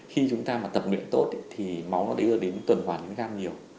khi chúng ta mà tập nguyện tốt thì máu nó đến tuần hoàn những gan nhiều